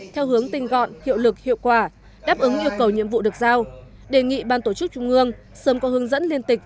theo hướng tinh gọn hiệu lực hiệu quả đáp ứng yêu cầu nhiệm vụ được giao đề nghị ban tổ chức trung ương sớm có hướng dẫn liên tịch